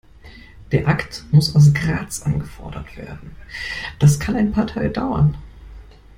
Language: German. Der Akt muss aus Graz angefordert werden, das kann ein paar Tage dauern.